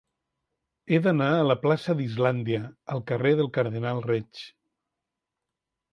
He d'anar de la plaça d'Islàndia al carrer del Cardenal Reig.